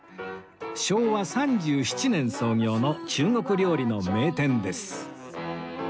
昭和３７年創業の中国料理の名店です